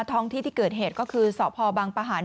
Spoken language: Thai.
ท้องที่ที่เกิดเหตุก็คือสพบังปะหัน